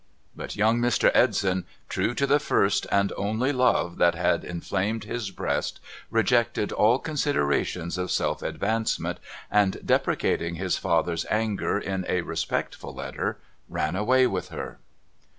But young Mr. Edson, true to the first and only love that had inflamed his breast, rejected all considerations of self advancement, and, deprecating his father's anger in a respectful letter, ran away with her.'